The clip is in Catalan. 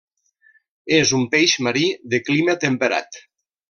És un peix marí de clima temperat.